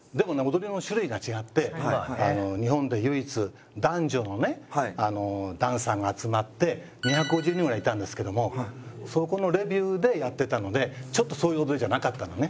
踊りの種類が違って日本で唯一男女のねダンサーが集まって２５０人ぐらいいたんですけどもそこのレヴューでやってたのでちょっとそういう踊りじゃなかったのね。